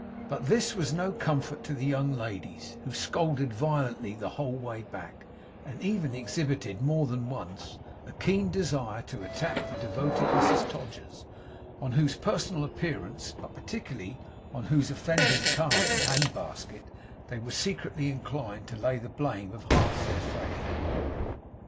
But this was no comfort to the young ladies, who scolded violently the whole way back, and even exhibited, more than once, a keen desire to attack the devoted Mrs Todgers; on whose personal appearance, but particularly on whose offending card and hand basket, they were secretly inclined to lay the blame of half their failure.